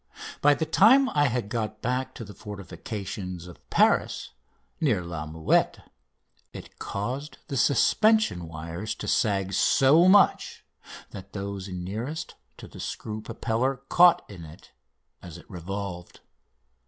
By the time I had got back to the fortifications of Paris, near La Muette, it caused the suspension wires to sag so much that those nearest to the screw propeller caught in it as it revolved.